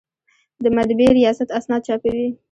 د مطبعې ریاست اسناد چاپوي